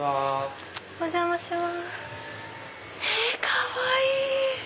かわいい。